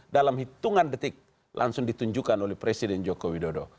dalam hitungan detik langsung ditunjukkan oleh presiden joko widodo